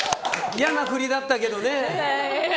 いやな振りだったけどね。